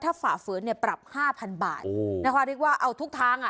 ถ้าฝ่าฝืนเนี่ยปรับห้าพันบาทนะคะเรียกว่าเอาทุกทางอ่ะ